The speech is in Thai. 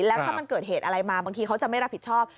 แล้วถ้ามันเกิดเหตุอะไรมาบางทีเขาจะไม่รับผิดชอบ